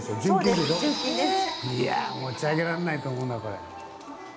いや持ち上げられないと思うなこれ。